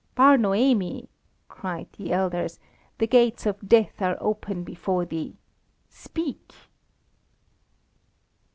"Bar Noemi," cried the elders, "the gates of death are open before thee. Speak!"